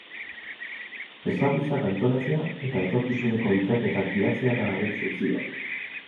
Ezagutzak antolatzea eta etorkizuneko ikerketak gidatzea da haren funtzioa.